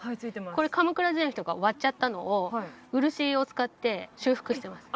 これ鎌倉時代の人が割っちゃったのを漆を使って修復してます